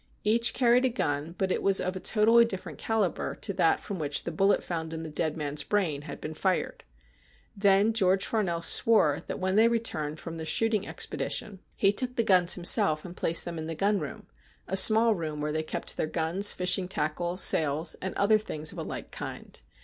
Each carried a gun, but it was of a totally different calibre to that from which the bullet found in the dead man's brain had been fired. Then George Farnell swore that, when they returned from their shooting expedition, he took the guns himself and placed them in the gunroom — a small room where they kept their guns, fishing tackle, sails, and other things of a like kind.